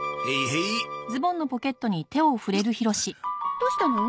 どうしたの？